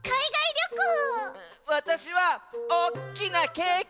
わたしはおっきなケーキ！